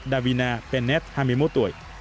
đại diện jamaica davina pénez hai mươi một tuổi